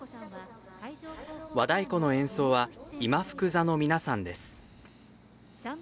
和太鼓の演奏は今福座の皆さんです。